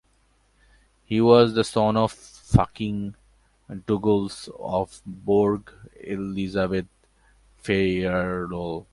He was the son of Francis Douglas of Borg and Elizabeth Fairlie.